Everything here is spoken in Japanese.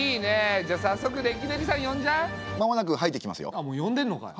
あっもう呼んでんのかい。